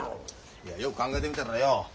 いやよく考えてみたらよ